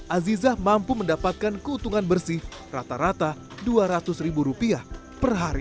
azizah mampu mendapatkan keuntungan bersih rata rata dua ratus ribu rupiah per hari